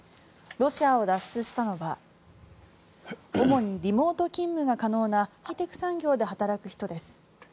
ロシアを脱出したのは主にリモート勤務が可能なハイテク産業で働く人です。